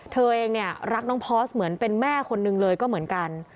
เธอเองเนี่ยรักน้องพอร์สเหมือนเป็นแม่คนนึงเลยก็เหมือนกัน